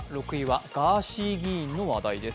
ガーシー議員の話題です。